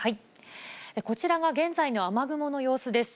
こちらが現在の雨雲の様子です。